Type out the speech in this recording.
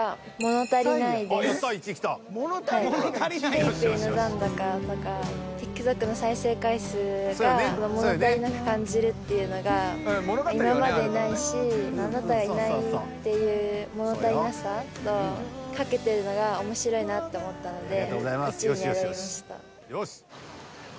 「ＰａｙＰａｙの残高」とか「ＴｉｋＴｏｋの再生回数が物足りなく感じる」っていうのが「あなたがいない」っていう物足りなさと。と思ったので１位に選びました。